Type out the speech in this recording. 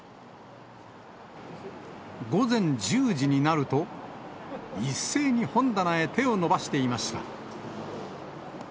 午前１０時になると、一斉に本棚へ手を伸ばしていました。